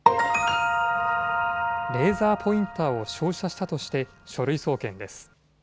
レーザーポインターを照射したとして書類送検です。